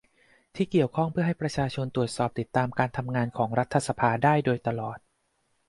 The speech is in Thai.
ที่เกี่ยวข้องเพื่อให้ประชาชนตรวจสอบติดตามการทำงานของรัฐสภาได้โดยตลอด